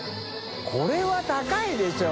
これは高いでしょ。